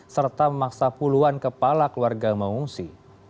serta memaksa puluhan kepala keluarga mengungsi